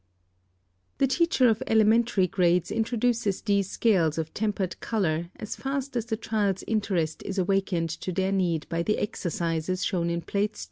The teacher of elementary grades introduces these scales of tempered color as fast as the child's interest is awakened to their need by the exercises shown in Plates II.